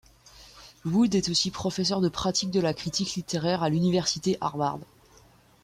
Wood est aussi professeur de pratique de la critique littéraire à l'université Harvard.